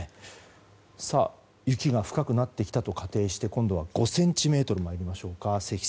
雪が深くなってきたと仮定して今度は積雪５ｃｍに参りましょう。